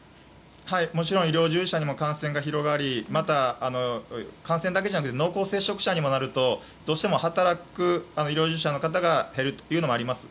もちろん、医療従事者にも感染が広がりまた、感染だけじゃなく濃厚接触者にもなるとどうしても働く医療従事者の方が減るというのもあります。